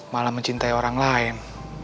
malah mencintai orang lain